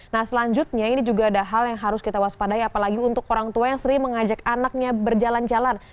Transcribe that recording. nah selanjutnya ini juga ada hal yang harus kita waspadai apalagi untuk orang tua yang sering mengajak anaknya berjalan jalan